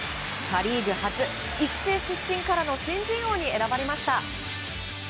パ・リーグ初、育成出身からの新人王に選ばれました。